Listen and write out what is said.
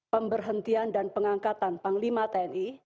pemberhentian dan pengangkatan panglima tni